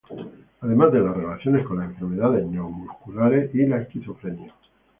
Además de la relación con las enfermedades neuromusculares y la esquizofrenia.